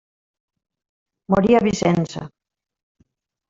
Morí a Vicenza.